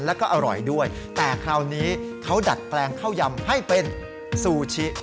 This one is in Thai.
แล้วก็อร่อยด้วยแต่คราวนี้เขาดัดแปลงข้าวยำให้เป็นซูชิ